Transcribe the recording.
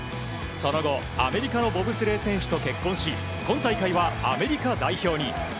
その後、アメリカのボブスレー選手と結婚し今大会はアメリカ代表に。